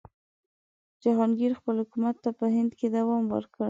جهانګیر خپل حکومت ته په هند کې دوام ورکړ.